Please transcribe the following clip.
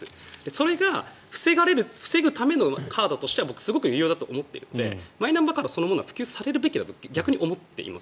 それが防ぐためのカードとしては僕、すごく有用だと思っているのでマイナンバーカードそのものは普及されるべきだと逆に思っています。